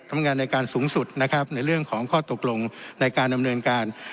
ทำงานในการสูงสุดนะครับในเรื่องของข้อตกลงในการดำเนินการ